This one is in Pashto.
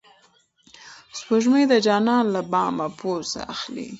سپوږمۍ د جانان له بامه بوسه اخلي.